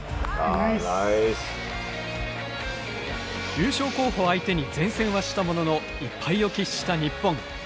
優勝候補相手に善戦はしたものの１敗を喫した日本。